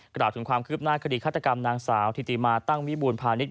กล่าวถึงความคืบหน้าคดีฆาตกรรมนางสาวธิติมาตั้งวิบูรพาณิชย